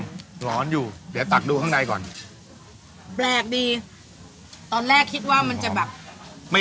มันต้องมีไอของกะทิ